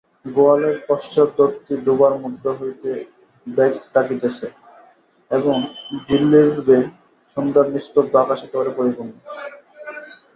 গোয়ালের পশ্চাদ্বর্তী ডোবার মধ্য হইতে ভেক ডাকিতেছে এবং ঝিল্লিরবে সন্ধ্যার নিস্তব্ধ আকাশ একেবারে পরিপূর্ণ।